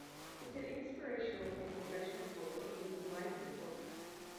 It's an inspirational and professional tool that can bring life into focus.